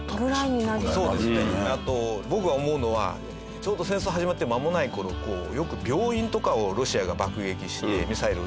あと僕が思うのはちょうど戦争始まって間もない頃よく病院とかをロシアが爆撃してミサイル撃ち込んだりして。